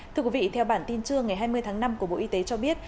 thưa quý vị theo bản tin trưa ngày hai mươi tháng năm của bộ y tế cho biết